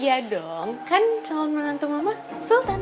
iya dong kan calon menantu mama sultan